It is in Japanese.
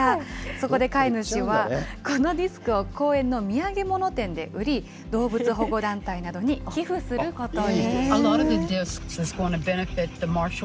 そこで飼い主は、このディスクを公園の土産物店で売り、動物保護団体などに寄付することに。